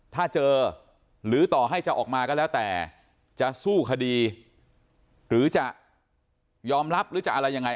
ถ้าเจอหรือต่อให้จะออกมาก็แล้วแต่จะสู้คดีหรือจะยอมรับหรือจะอะไรยังไง